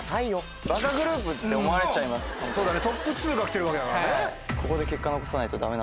そうだね。